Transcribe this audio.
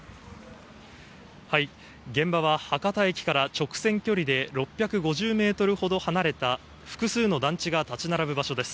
現場は博多駅から直線距離で６５０ｍほど離れた複数の団地が立ち並ぶ場所です。